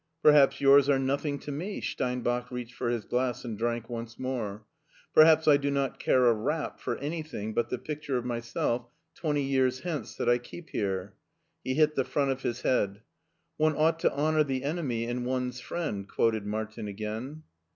"Perhaps yours are nothing to me!" Steinbach reached for his glass and drank once more. " Perhaps I do not care a rap for anything but the picture of myself twenty years hence that I keep here." He hit the front of his head. "* One ought to honor the enemy in one's friend,' " quoted Martin again.